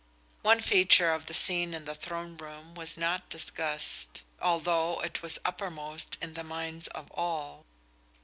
One feature of the scene in the throne room was not discussed, although it was uppermost in the minds of all.